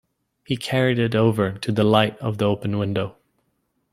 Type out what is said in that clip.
He carried it over to the light of the open window.